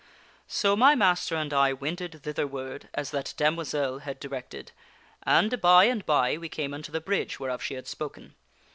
" So my master and I wended thitherward as that damoiselle had di rected, and, by and by, we came unto the bridge'whereof she had spoken.